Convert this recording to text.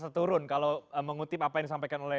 seturun kalau mengutip apa yang disampaikan oleh